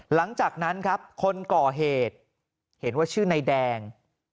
หลังจากนั้นครับคนก่อเหตุเห็นว่าชื่อนายแดง